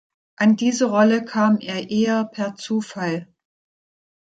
An diese Rolle kam er eher per Zufall.